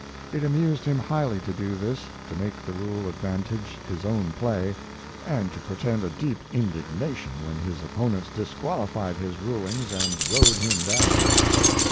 It amused him highly to do this, to make the rule advantage his own play, and to pretend a deep indignation when his opponents disqualified his rulings and rode him down.